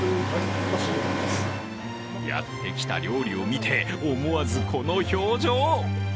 やってきた料理を見て思わずこの表情。